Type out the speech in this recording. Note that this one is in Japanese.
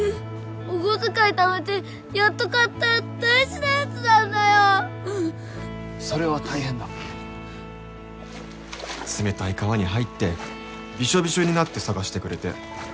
お小遣いためてやっと買った大事なやそれは大変だ冷たい川に入ってビショビショになって探してくれて。